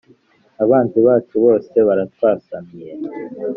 Abanzi bacu bose baratwasamiye.